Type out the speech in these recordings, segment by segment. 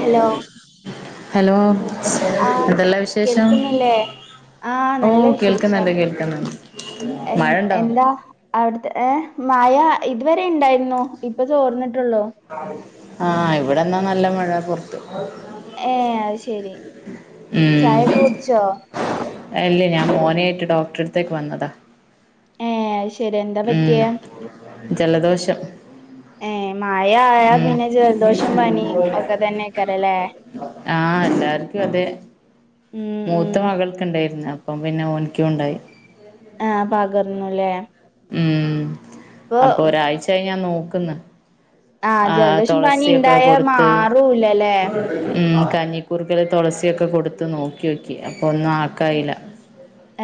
Hello hello ആ എന്തല്ലാം വിശേഷം കേൾക്കുന്നില്ലേ ആഹ് ഓഹ് കേൾക്കുന്നുണ്ട് കേൾക്കുന്നുണ്ട് മഴ എന്ത് ഉണ്ടോ എന്താ അവിടുത്തെ ഏഹ് മഴ ഇതുവരെ ഇണ്ടായിരുന്നു, ഇപ്പ തോർന്നിട്ടുള്ളൂ ആഹ് ഇവിടെന്നാ നല്ല മഴ പൊറത്ത് ഏയ് അത് ശരി. ചായയൊക്കെ കുടിച്ചോ? അല്ലേ ഞാൻ മോനെ ആയിട്ട് ഡോക്ടറടുത്തേക്ക് വന്നതാ ഏ അത് ശരി എന്താ ഉം പറ്റിയ ജലദോഷം ഏഹ് മഴ ആയാ ഉം പിന്നെ ജലദോഷം പനി ഒക്കെ തന്നെക്കരല്ലേ ആഹ് എല്ലാവർക്കും അതെ. ഉം ഉം മൂത്ത മകൾക്ക് ഉണ്ടായിരുന്നു, അപ്പം പിന്നെ ഓനിക്കും ഉണ്ടായി ആഹ് പകർന്നു അല്ലേ ഉം അപ്പൊ ഒരാഴ്ചായി ഞാൻ നോക്കുന്നു ആ ആഹ് ജലദോഷം പനി തുളസിയൊക്കെ ഇണ്ടായ കൊടുത്ത് മാറൂലല്ലേ ഉം കഞ്ഞിക്കൂർക്കേല് തുളസിയൊക്കെ കൊടുത്ത് നോക്കിയോക്കി, അപ്പൊ ഒന്നും ആക്കായില്ല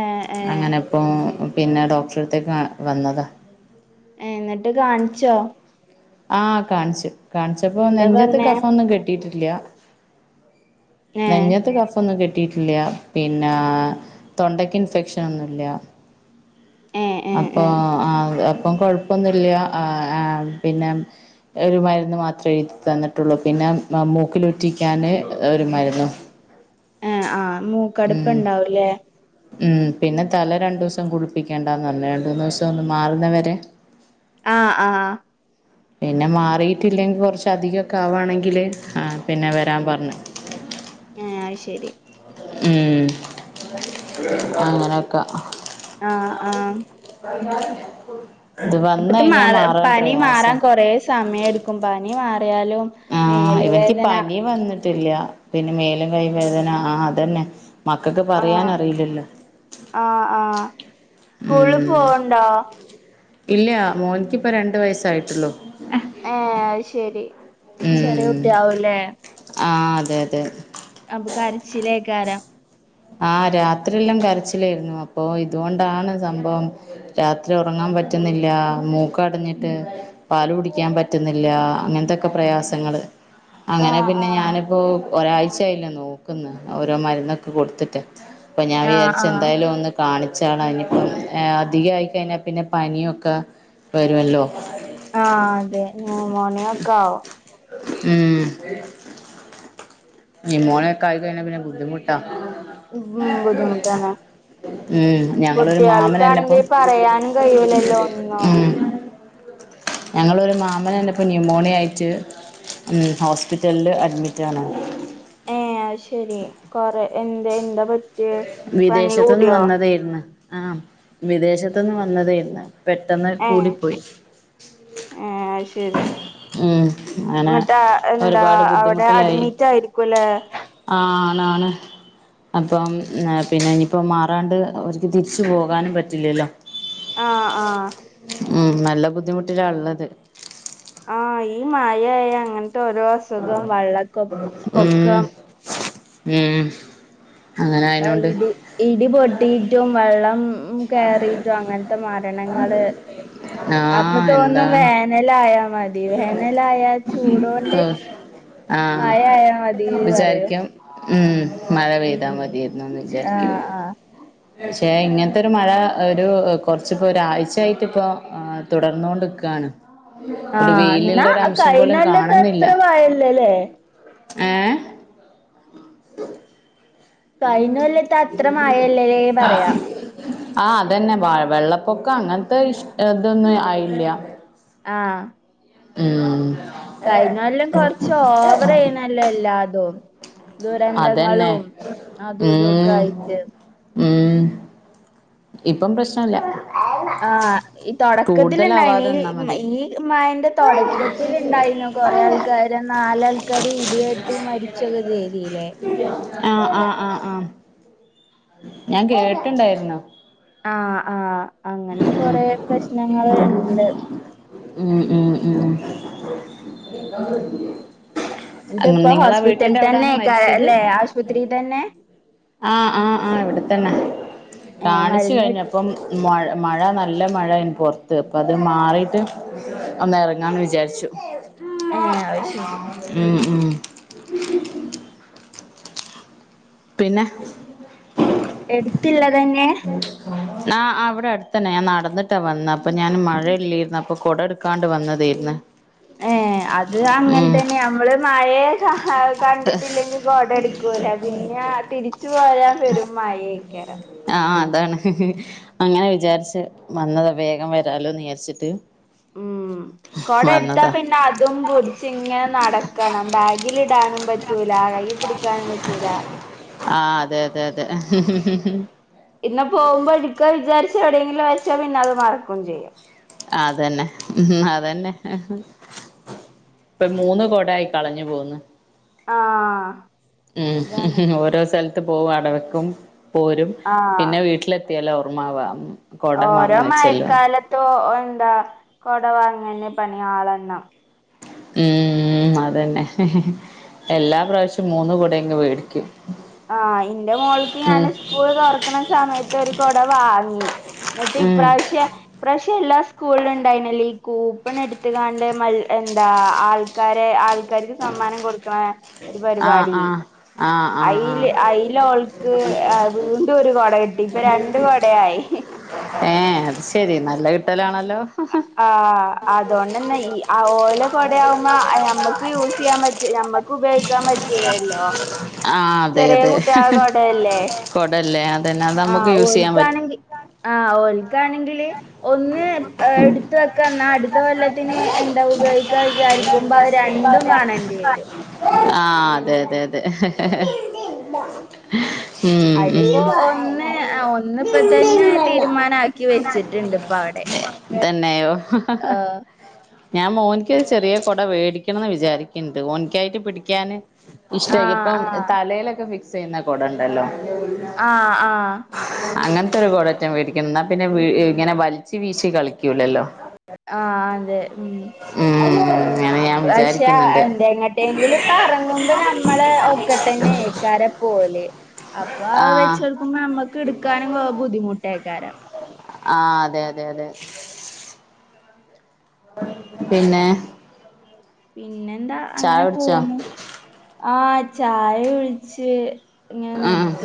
ഏ ഏ അങ്ങനെപ്പോ പിന്നെ ഡോക്ടറെടുത്തേക്ക് വന്നതാ എന്നിട്ട് കാണിച്ചോ ആഹ് കാണിച്ചു. കാണിച്ചപ്പോ എന്താ നെഞ്ചത്ത് പറഞ്ഞേ കഫം ഒന്നും കെട്ടിട്ടില്ല ഏഹ് നെഞ്ചത്ത് കഫം ഒന്നും കെട്ടിട്ടി ഇല്ല പിന്നെ തൊണ്ടയ്ക്ക് ഇൻഫെക്ഷൻ ഒന്നുംല്ല ഏ ഏ അപ്പൊ ഏ ആ അപ്പം കൊഴപ്പൊന്നുംല്ല ആ പിന്നെ ഒരു മരുന്ന് മാത്രമേ എഴുതി തന്നിട്ടുള്ളൂ പിന്നെ മൂക്കിലുറ്റിക്കാന് ഒരു മരുന്നു ഏഹ് ആ് ഉം മൂക്കടുപ്പണ്ടാവല്ലേ ഉം പിന്നെ തല രണ്ടു ദിവസം കുളിപ്പിക്കേണ്ടന്നഞ്ഞേ രണ്ട മൂന്ന്ു ദിവസം ഒന്ന് മാറുന്നവരെ ആഹ് ആഹ് പിന്നെ മാറിട്ടില്ലെങ്കിൽ കുറച്ച് അധികംക്കെ ആവാണെങ്കിൽ പിന്നെ വരാൻ പറഞ്ഞു ആഹ് അത് ശരി ഉം അങ്ങനെക്കെ ആ ആ [inaudible] അപ്പത്തെ മാ പനി മാറാൻ കൊറ സമയംടുക്കും പനി മാറിയാലും ആഹ് മേല് ഇവനിക്ക് വേദന പനി വന്നിട്ടില്ല പിന്നെ മേലും കൈയ്യും വേദന ആ അതന്നെ മക്കക്ക് ആ പറയാനറിയില്ലല്ലോ സ്കൂള് പോണ്ടോ ഇല്ല മോനിക്കിപ്പോ രണ്ട് വയസ്സായിട്ടുള്ളോ ഏഹ് അയ്ശരി ചെറിയ കുട്ടിയാവുല്ലേ ആഹ് അതെ അതെ അപകാരച്ചിലേക്കാര ആഹ് രാത്രിയെല്ലാം കരച്ചിലായിരുന്നു അപ്പൊ ഇതുകൊണ്ടാണ് സംഭവം രാത്രി ഉറങ്ങാൻ പറ്റുന്നില്ല മൂക്കടഞ്ഞിട്ട് പാല് കുടിക്കാൻ പറ്റുന്നില്ല അങ്ങനത്തെൊക്കെ പ്രയാസങ്ങള് ആ അങ്ങനെ ആ പിന്നെ ഞാനിപ്പോൊ ഒരാഴ്ചായില്ലേ നോക്കന്ന് ഓരോ മരുന്നൊക്കെ കൊടുത്ത് അപ്പോ ഞാൻ ആ വിചാരിച്ച ആ എന്തായാലും ഒന്ന് കാണിച്ചള അതിനിപ്പം അധികയി കഴിഞ്ഞാൽ പിന്നെ പനിയൊക്കെ വരുവല്ലോ ആഹ് അതെ നുമോണിയ ക്കെ ആാവോ ഉം ന്യുമോണിയ കായി കഴിഞ്ഞാ പിന്നെ ബുദ്ധിമുട്ടാ ഉം ഉം ബുദ്ധിമുട്ടാണ് ഉം ഞങ്ങളൊരു കുട്ടികൾക്കാണെങ്കിൽ മാമനെന്നെപ്പം പറയാനും കഴൂലല്ലോ ഒന്നോ ഉം ഞങ്ങളൊരു മാമനന്റെ ഇപ്പൊ ന്യൂമോണിയ ആയിട്ട് ഉം ഹോസ്പിറ്റലില് അഡ്മിറ്റ് ആണ് ഏഹ് അയ്ശരി കൊറെ എന്താ എന്താ പനി വിദേശത്തു നിന്ന് കൂടിയോ വന്നതെര്ന്ന് ആഹ് വിദേശത്തു നിന്ന് വന്നതെർന്ന് പെട്ടെന്ന് കൂടിപ്പോയി ഏഹ് അയ്ശരി ഉം. അങ്ങനെ എന്നിട്ട് എന്താ ഒരുപാട് അവിടെ അഡ്മിറ്റ് ആയിരിക്കുംല്ലേ ആഹ് ആഹ് ആണ് അപ്പം പിന്നെ ഇനിയിപ്പോ മാറാണ്ട് ഒക്ക് തിരിച്ചു പോകാനും പറ്റില്ലല്ലോ ആഹ് ആഹ് ഉം നല്ല ബുദ്ധിമുട്ടിലള്ളത് ആഹ് ഈ മായായ അങ്ങനത്തെ ഓരോ അസുഖം വെള്ളക്കൊ ഉം, പൊക്കം ഉം അങ്ങനെ ആഹ് അതിനോണ്ട് ഇടി ഇടിപൊട്ടിയിട്ടും വെള്ളം കേറിയിട്ടും അങ്ങനത്തെ മരണങ്ങള് ആ അപ്പൊ തോന്നും എന്താണ് വേനലായാ മതി വേനലായ ചൂടോണ്ട് ആഹ് മഴ ആയയാ മതി എന്നു പറയും. വിചാരിക്കും ഉം. മഴ പെയ്താ ഉം മതിയരുന്നുന്ന് ആ വിചാരിക്കുന്നു. ആ പക്ഷേ ഇങ്ങനത്തെ ഒരു മഴ ഒരു കൊറച്ച് ഇപ്പൊ ഒരാഴ്ചയായിട്ട് ഇപ്പോ തുടർന്നൊണ്ട്ക്കാണ് ഒരു ആഹ് എന്നാ വെയിലിൻ്റെ ഒരു അഠശം കഴിഞ്ഞ പോലും കൊല്ലത്തെ കാണുന്നില്ല. അത്ര മഴയില്ലല്ലേ? അ. കയിഞ്ഞ കൊല്ലത്തെ അത്ര മഴല്ലല്ലേ പറയാ ആ, അതന്നെ വ വെള്ളപ്പൊക്കം അങ്ങനത്തെ ഇഷ് അതൊന്നും ആയില്ല. ആ. ഉം. കഴിഞ്ഞ കൊല്ലം കൊറച്ച് ഓവർ ഏയിനല്ലൊ എല്ലാതും. അതന്നെ ദുരന്തങ്ങളും അതും ഇതൊക്കെ ഉം ആയിട്ട്. ഉം. ഇപ്പം പ്രശ്നല്ല. ആ. ഈ തൊടക്കത്തിൽ ഉണ്ടായിന് കൂടുതലാവാതെ നിന്നാ മതി ഈ ഈ മഴ ന്റെ തൊടക്കത്തിൽ ഇണ്ടായിന കൊറെേ ആൾക്ക് കാരം നാലാൾക്കാര് ഇടിയെട്ടി മരിച്ചൊക്കെ ചെയ്തില്ലേ. ആ, ആ, ആ, ആ, ഞാൻ കേട്ടിണ്ടായിരുന്നു. ആ, ആ, അങ്ങനത്തെ കൊറെ പ്രശ്നങ്ങൾ ഇണ്ട്. ഉം. ഉം. ഉം. ഉം. എന്നിട്ട് ഇപ്പൊ നിങ്ങളാ ഹോസ്പിറ്റൽ വീട്ടിന്റെ അവിടെയാണ് തന്നേക്കാരം മരിച്ചത്. അല്ലേ ആശുപത്രി തന്നെ? ആ, ആ, ആ, ഇവിടെത്തന്നെ ഏ കാണിച്ചു മരുന്ന് കഴിഞ്ഞപ്പം മൊഴ. മഴ, നല്ല മഴ, ന് പുറത്ത് അപ്പോ അത് മാറിട്ട് ഒന്ന് എറങ്ങാന്ന് വിചാരിച്ചു. ഏ അത് ശരി ഉം. ഉം. പിന്നെ. എടുത്തിള്ളതന്നെ. അ, അ, ഇവിടെ അടുത്തന്നെ ഞാൻ നടന്നിട്ടാ വന്നെ അപ്പോ ഞാൻ മഴ ഇല്ലേരുന്നു. അപ്പോ കൊടെടു കാണ്ട് വന്നതേര്ന്ന്. ഏ, അത് അങ്ങനെ തന്നെയാമ്മള്. മഴയെ കണ്ടിട്ടില്ലെങ്കിൽ കൊട എടുക്കുല. പിന്നെ തിരിച്ചു പോരാൻ പെരും മഴേ. കെരം. ആ, ആ, അതാണ്. അങ്ങനെ വിചാരിച്ച് വന്നതാ, വേഗം വരാലോ വിജാരിച്ചിട്ട്. ഉം. കൊട എടുത്താ പിന്നെ അതു പുട് ച്ച് ഇങ്ങനെ നടക്കണം ബാഗിലിടാനും പറ്റൂല കൈ പിടിക്കാനും പറ്റൂല. ആ, അതെ, അതെ, അതെ. പിന്നെ പോവുമ്പോ എടുക്കാ വിചാരിച്ച് എവിടെയെങ്കിലും വെച്ചാൽ പിന്നെ അത് മറക്കും ചെയ്യും. അതന്നെ, ഉം അതന്നെ. ഇപ്പോ മൂന്ന് കൊടായി കളഞ്ഞു പോന്ന്. ആ. ഉം. അതാണ് ഓരോ സ്ഥലത്ത് പോകും. അടവെക്കും പോരും ആ പിന്നെ വീട്ടിലെ ത്തിയാലാ ഓർമാവ. ഓരോ മഴക്കാലത്തോ എന്താ കൊട വാങ്ങനെയ് പണിയാളെണ്ണം. ഉം, അതന്നെ എല്ലാ പ്രാവശ്യം മൂന്ന് കൂടയെങ്ങും വേടിക്കും. ആ, ഇന്റെ മോൾക്ക് ഞാന് സ്കൂൾ തുറക്കണ സമയത്തൊരു കൊട വാങ്ങി. ന്നിട്ട് ഈ ഉം പ്രാവശ്യം. പ്രാശ്യം എല്ലാ സ്കൂളിലും ഉണ്ടായിനല്ലൊ ഈ കൂപ്പൺ എടുത്തുകാണ്ട് മ എന്താ ആ ആൾക്കാരെ ആൾക്കാർക്ക് സമ്മാനം കൊടുക്കണെ ഒരു ആ പരിപാടി. ആ ആ ആ ആ അയില് അയിലോൾക്ക് വീണ്ടും ഒരു കൊട കിട്ടി ഇപ്പൊ രണ്ട് കൊടയായി. ഏ അത് ശരി നല്ല കിട്ടലാണല്ലോ. ആഹ് അതോണ്ടന്നെ ഈ ആ ഓലെ കൊടയാവുമ്പൊ ഞമ്മക്ക് യൂസ് ചെയ്യാൻ പറ്റ ഞമ്മക്ക് ഉപയോഗിക്കാൻ പറ്റുലല്ലോ. ആ അതെ ചെറിയ അതെ കുട്ട്യാള കൊടയല്ലേ. കൊടല്ലേ അതന്നെ അത് അമ്മക്ക് യൂസെയ്യാൻ പ ആ ഓൽക്കാ ആണെങ്കില് ഒന്ന് എടുത്ത് അ ക്ക എന്നാ അടുത്ത കൊല്ലത്തിന് എന്താ ഉപയോഗിക്കാ വിചാരിക്കുമ്പോ അത് രണ്ടും കാണേണ്ടി വരും. ആഹ് അതെ, അതെ, അതെ ഉം അയിലിപ്പോ ഉം ഒന്ന് ഒന്നിപ്പോ തന്നെ തീരുമാന ക്കി വെച്ചിട്ടുണ്ട് ഇപ്പ അവിടെ. തന്നെയോ. ആഹ് ഞാൻ മോനിക്ക് ചെറിയ കൊട വേടിക്കണന്ന് വിചാരിക്ക്ണ്ട് ഓനിക്കായിട്ട് പിടിക്കാന്. ഇഷ്ടായിക്കും ആഹ് ഇപ്പം ആഹ് തലയിലൊക്കെ ഫിക്സ് ചെയ്യുന്ന കൊടണ്ടല്ലോ. ആഹ് ആഹ് അങ്ങനത്തെ ഒരു കുടറ്റെ വേടിക്കുന്നു എന്നാ പിന്നെ ഇങ്ങനെ വലിച്ച് വീശി കളിക്കൂലല്ലോ. ആ അതെ ഉം ഉം ഉം പക്ഷെ എന്ത എങ്ങട്ടെങ്കിലും പ്പെറങ്ങുമ്പോ നമ്മളെ ഒക്കത്തന്നേക്കാരം ഓലെ. അപ്പൊ ആ അത് വെച്ചൊടുക്കുമ്പോ ഞമ്മക്ക് എടുക്കാനും ബുദ്ധിമുട്ടേക്കാരം. ആ അതെ, അതെ, അതെ. പിന്നെ പിന്നെന്താ ചായ അങ്ങനെ കുടിച്ചോ പോവുന്നു. ആഹ് ചായ ഒഴിച്ച്. ഇങ്ങന ഉം നിക്ക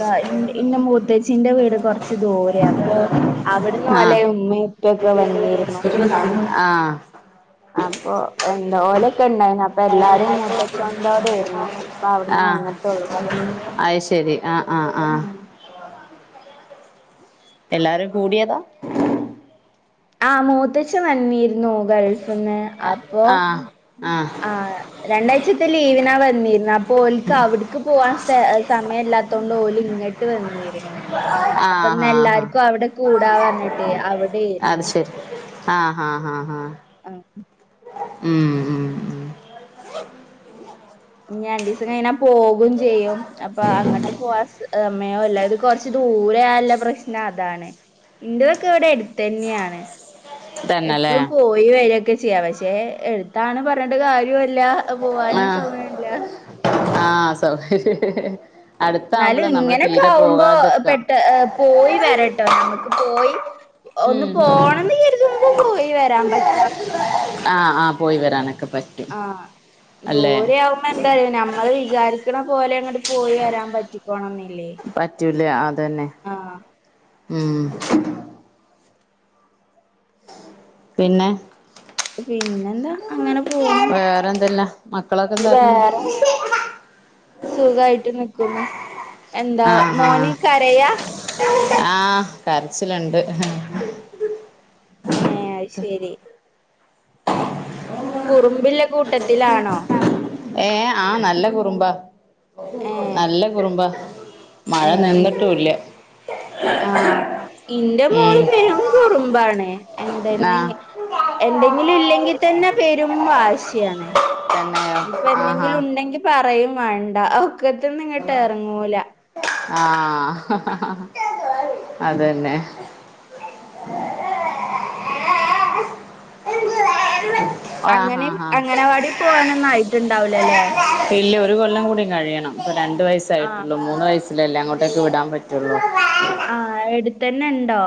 ഇന്റെ മൂത്തച്ചിന്റെ വീട് കൊറച്ച് ദൂരെ അപ്പൊ. അവിടന്ന് ആ ഓലെ ഉമ്മെ ഉപ്പൊക്കെ വന്നിരുന്നു. ആഹ് അപ്പൊ എന്താ ഓലൊക്കെ ഉണ്ടായി. അപ്പ എല്ലാരും മൂത്തച്ചോണ്ടോടെ ആയിരുന്നു ഇപ്പ അവിടുന്ന് വന്നിട്ടുള്ളു. ആ ആ ആഹ്. എല്ലാരും കൂടിയതാ. ആ മൂത്തച്ചൻ വന്നിരുന്നു ഗൾഫിന്ന് അപ്പൊ ആഹ് ആഹ് രണ്ടാഴ്ചത്തെ ലീവിനാ വന്നിരുന്നെ അപ്പൊ ഓൽക്ക് അവിടക്ക് പോവാൻ സമയമല്ലാത്തോണ്ട് ഓല് ഇങ്ങട്ട് ട്ട് വന്നിരുന്നു ആഹ് അപ്പൊന്ന് ആഹ് എല്ലാർക്കും അവിടെ കൂടാ പറഞ്ഞിട്ടേ അത് അവിടെയിരുന്നു. ശരി ആഹ് ഹാ ഹാ ഹാ ആഹ് ഉം ഉം ഉം ഞ്ഞ് രണ്ടീസം കയിനാ പോകും ചെയ്യും അപ്പൊ അങ്ങട്ട് പോവാ സമയോ ഇല്ല ഇത് കൊറ്ച്ച് ദൂരെ ആയാല്ല പ്രശ്നം അതാണ്. ഇന്റതൊക്കെ ഇവിടെ അടുത്തു തന്നെയാണ്. തന്നെല്ലേ എപ്പളും പോയി വരൊക്കെ ചെയ്യാ. പക്ഷെ എടുത്താണ് പറഞ്ഞിട്ട് കാര്യ ല്ല പോവാനും ആഹ് സമയല്ല. ആഹ് സൗഹര്യ ന്നാലും ഇങ്ങനോക്കെ ആവുമ്പോ പെട്ട പോയി വരട്ടോ നമുക്ക് പോയി ഒന്ന് പോണന്ന് കര്തുമ്പൊ പോയി വരാം പറ്റും ആ ആ പോയി വരാനൊക്ക പ ആ ദൂരെ ആവു എന്താ അറിയോ നമ്മള് വിചാരിക്ക്ണ പോലെ അങ്ങട്ട് പോയി വരാം പറ്റിക്കോണന്നി പറ്റൂല അതന്നെ ഉം പിന്നെ പിന്നെ എന്താ അങ്ങനെ പോണു വേറ എന്തല്ല മക്കളൊക്ക എന്താക്കുന്നു വേറെ സുഖായിട്ട് നിക്കുന്നു എന്താ ആഹ് മോന് ആഹ് കരയാ ആഹ് കര്ച്ചില്ണ്ട് ഏ അത് ശരി കുറ്മ്പില്ല കൂട്ടത്തിലാണോ ഏ ആ നല്ല കുറുമ്പാ ഏഹ് നല്ല കുറുമ്പാ മഴ നിന്നിട്ടുല്ല ആ ഇന്റെ മോള് ഉം പെരും കുറുമ്പാണ് ആ എന്തെന്നെ എന്തെങ്കിലും ഇല്ലെങ്കി തന്നെ പെരും വാശിയാണ് തന്നെയോ ഇപ്പ ആഹാ എന്തെങ്കിലും ഇണ്ടെങ്കി പറയും വാണ്ട ഒക്കത്ത്ന്ന് ങ്ങട്ട് എറങ്ങൂല ആ അതന്നെ ആ അങ്ങനെ ഹാ ഹാ അങ്ങനവാടി പോവാനൊന്നു ആയിട്ട്ണ്ടാവുല ലെ ഇല്ല ഒരു കൊല്ലം കൂടിം കഴിയണം ഇപ്പോ രണ്ട് ആഹ് വയസ്സായിട്ടുള്ളൂ മൂന്ന് വയസ് ഇല്ല ഇല്ല അങ്ങോട്ടേക്ക് വിടാം പറ്റൊള്ളൂ ആ എട്ത്തന്നെ ഇണ്ടോ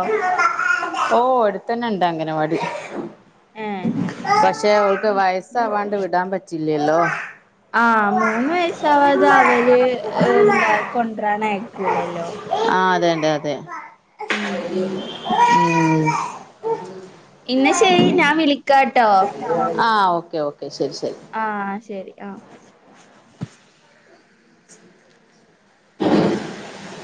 ഓ എട്ത്തന്നെ ഇണ്ട് അംഗനവാടി. ഏഹ് പക്ഷെ ഓൾക്ക് വയസാവാണ്ട് വിടാം പറ്റില്ലല്ലോ ആ മൂന്ന് വയസാവാത അവല് എന്താ കൊണ്ടരാൻ അയക്കൂലല്ലോ ആ അതെ അതെ അതെ ഉം ഉം ഉം ഇന്ന ശരി ഞാൻ വിളിക്കാട്ടോ ആ ഓക്കെ ഓക്കെ ശരി ശരി. ആ ശരി ആ